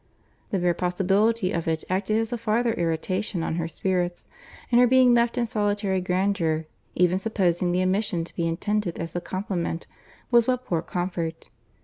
The bare possibility of it acted as a farther irritation on her spirits; and her being left in solitary grandeur, even supposing the omission to be intended as a compliment, was but poor comfort.